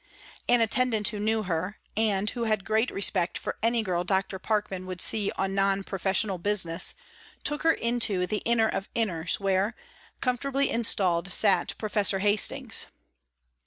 An attendant who knew her, and who had great respect for any girl Dr. Parkman would see on non professional business, took her into the inner of inners, where, comfortably installed, sat Professor Hastings.